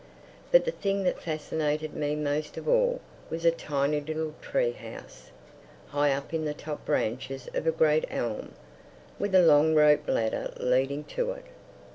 But the thing that fascinated me most of all was a tiny little tree house, high up in the top branches of a great elm, with a long rope ladder leading to it.